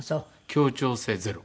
協調性ゼロ。